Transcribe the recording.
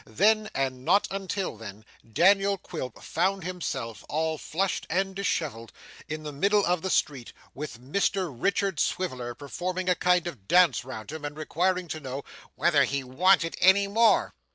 Then, and not until then, Daniel Quilp found himself, all flushed and dishevelled, in the middle of the street, with Mr Richard Swiveller performing a kind of dance round him and requiring to know 'whether he wanted any more?